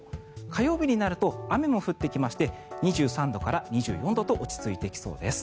火曜日になると雨も降ってきまして２３度から２４度と落ち着いてきそうです。